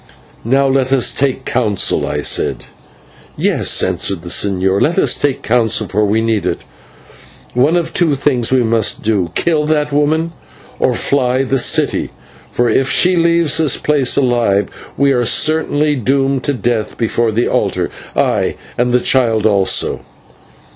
"Now let us take counsel," I said. "Yes," answered the señor, "let us take counsel, for we need it. One of two things we must do; kill that woman, or fly the city, for if she leaves this place alive we are certainly doomed to death before the altar, ay! and the child also."